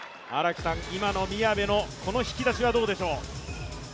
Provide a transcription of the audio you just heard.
今の宮部のこの引き出しはどうでしょう。